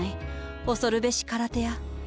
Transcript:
恐るべしカラテア。